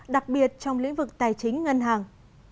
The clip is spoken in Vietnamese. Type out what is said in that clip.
đặc biệt trong lĩnh vực tài chính ngân hàng